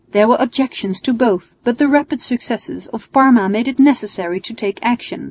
There were objections to both, but the rapid successes of Parma made it necessary to take action.